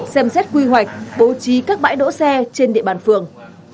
xem xét quy hoạch bố trí các bãi đỗ xe trên địa bàn phường